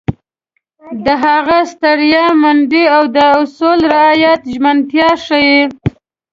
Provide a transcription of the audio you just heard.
د هغه ستړیا، منډې او د اصولو رعایت ژمنتیا ښيي.